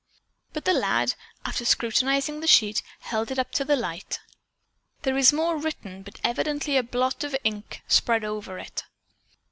But the lad, after scrutinizing the sheet, held it up to the light. "There is more written, but evidently a drop of ink spread over it.